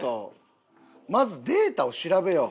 まずデータを調べよう。